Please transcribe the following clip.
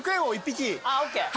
ＯＫ